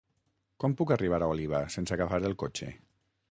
Com puc arribar a Oliva sense agafar el cotxe?